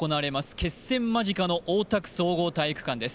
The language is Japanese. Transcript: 決戦間近の大田区総合体育館です。